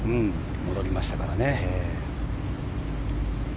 戻りましたからね。